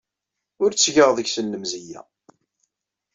Ur ttgeɣ deg-sen lemzeyya.